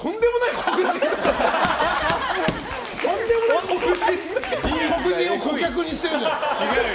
黒人を顧客にしてるじゃない。